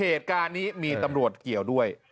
เหตุการณ์นี้มีตำรวจเกี่ยวด้วย